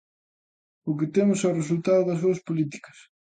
O que temos é o resultado das súas políticas.